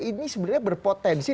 ini sebenarnya berpotensi